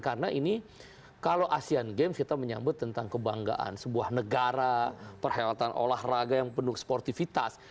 karena ini kalau asean games kita menyambut tentang kebanggaan sebuah negara perkhidmatan olahraga yang penuh sportivitas